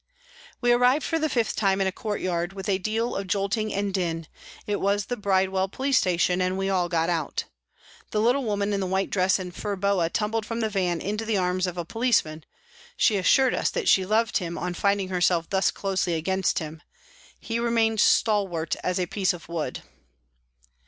We arrived for the fifth time in a courtyard, with a deal of jolting and din ; it was the Bridewell Police Station, and we all got out. The little woman in the white dress and fur boa tumbled from the van into the arms of a policeman she assured us that she loved him on finding herself thus closely against him ; he remained stalwart as a piece of wood.